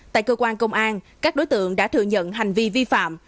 tại cơ quan công an các đối tượng đã thừa nhận hành vi vi phạm